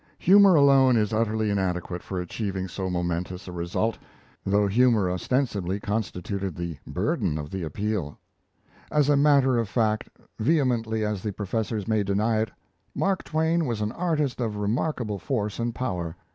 Humour alone is utterly inadequate for achieving so momentous a result though humour ostensibly constituted the burden of the appeal. As a matter of fact, vehemently as the professors may deny it, Mark Twain was an artist of remarkable force and power.